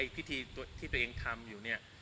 พิธีที่ตัวเองทำอยู่เนี่ย